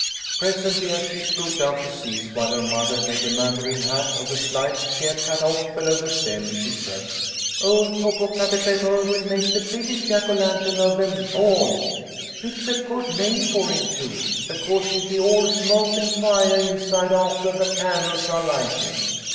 Presently, as she scooped out the seeds while her mother made a mandarin hat of the slice she had cut off below the stem, she said, " Old Popocatepetl will make the biggest Jack o' lantem of them all. It's a good name for him, too, because he'll be all smoke and fiah inside aftah the candles are lighted.